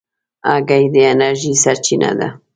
هګۍ د انرژۍ سرچینه ده.